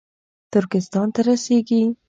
ترکستان ته رسېږي